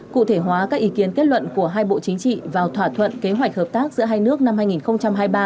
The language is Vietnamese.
cụ thể hóa các ý kiến kết luận của hai bộ chính trị vào thỏa thuận kế hoạch hợp tác giữa hai nước năm hai nghìn hai mươi ba